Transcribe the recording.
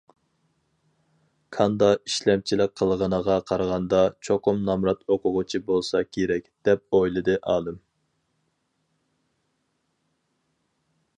‹‹ كاندا ئىشلەمچىلىك قىلغىنىغا قارىغاندا، چوقۇم نامرات ئوقۇغۇچى بولسا كېرەك›› دەپ ئويلىدى ئالىم.